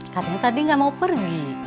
katanya tadi nggak mau pergi